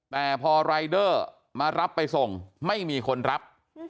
แต่พอรายเดอร์มารับไปส่งไม่มีคนรับ